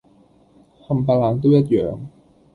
冚唪唥都一樣